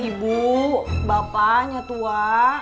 ibu bapaknya tua